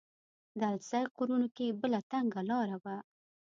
د السیق غرونو کې بله تنګه لاره وه.